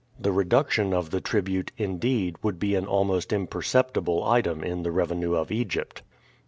The reduction of the tribute, indeed, would be an almost imperceptible item in the revenue of Egypt.